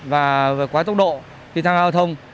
và quá tốc độ khi tham giao thông